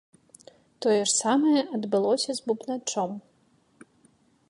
Тое ж самае адбылося з бубначом.